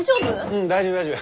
うん大丈夫大丈夫。